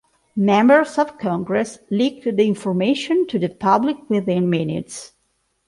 Members of Congress leaked the information to the public within minutes.